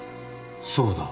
そうだ。